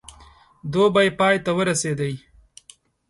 دوبی پای ته ورسېدی.